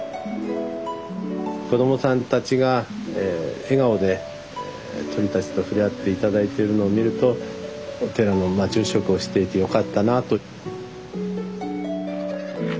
子供さんたちが笑顔で鳥たちと触れ合って頂いてるのを見るとお寺の住職をしていてよかったなと。